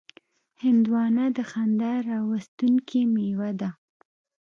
هندوانه د خندا راوستونکې میوه ده.